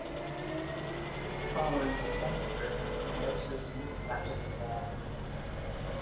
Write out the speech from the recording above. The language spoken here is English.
Following his Senate career, Myers resumed the practice of law.